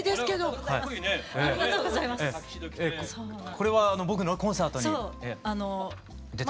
これは僕のコンサートに出てくれた。